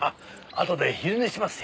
あとで昼寝しますよ。